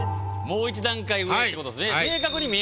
もう一段階上ってことですね。